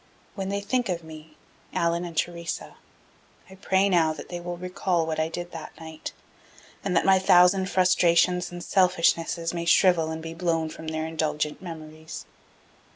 When they think of me, Allan and Theresa, I pray now that they will recall what I did that night, and that my thousand frustrations and selfishnesses may shrivel and be blown from their indulgent memories.